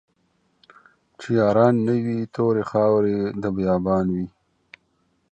چې ياران نه وي توري خاوري د بيا بان يې